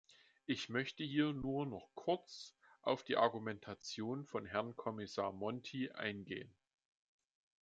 Ich möchte hier nur noch kurz auf die Argumentation von Herrn Kommissar Monti eingehen.